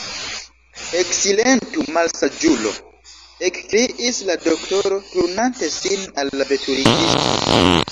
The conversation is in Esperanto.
Eksilentu, malsaĝulo! ekkriis la doktoro, turnante sin al la veturigisto.